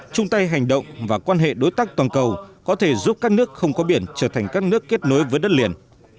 chung tay hành động và quan hệ đối tác toàn cầu có thể giúp các nước không có biển trở thành các nước kết nối với đất liền